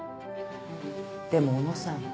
でも小野さん